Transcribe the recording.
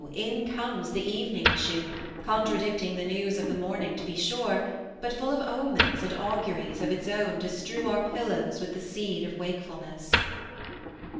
in comes the evening issue, contradicting the news of the morning, to be sure, but full of omens and auguries of its own to strew our pillows with the seed of wakefulness.